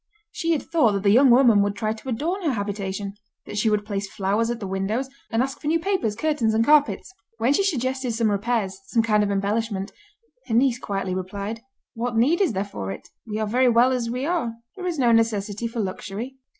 She had thought that the young woman would try to adorn her habitation. That she would place flowers at the windows, and ask for new papers, curtains and carpets. When she suggested some repairs, some kind of embellishment, her niece quietly replied: "What need is there for it? We are very well as we are. There is no necessity for luxury."